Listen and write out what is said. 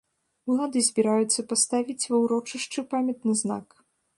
Улады збіраюцца паставіць ва ўрочышчы памятны знак.